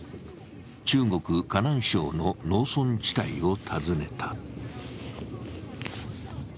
中国・河南省の農村地帯を訪ねた。